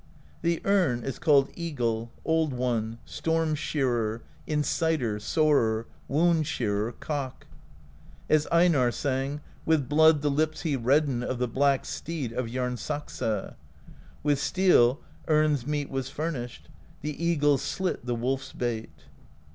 The erne is called Eagle, Old One, Storm Shearer, Inciter, Soarer, Wound Shearer, Cock. As Einarr sang: With blood the lips he reddened Of the black steed of Jarnsaxa; With steel Erne's meat was furnished: The Eagle slit the WolPs Bait.